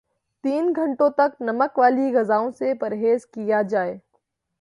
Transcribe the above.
تین گھنٹوں تک نمک والی غذاوں سے پرہیز کیا جائے